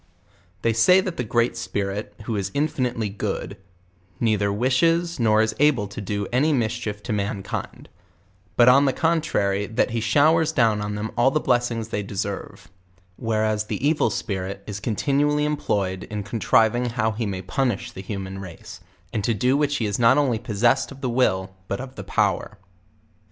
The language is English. They say that the Great Spirit, who is infinitely good, neither wishes nor is able to do any mischief to mankind; but on the contrary, that he showers down on them all the blessings they deserve; whereas the evil spirit is continually employed in contriving how he may punish the human race; and to do which he is not only possessed of the will, but of the power.